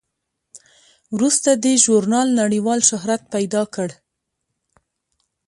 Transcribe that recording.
وروسته دې ژورنال نړیوال شهرت پیدا کړ.